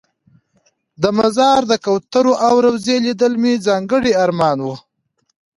د مزار د کوترو او روضې لیدل مې ځانګړی ارمان و.